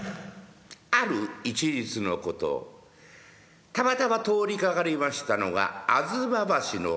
ある一日のことたまたま通りかかりましたのが吾妻橋のたもと。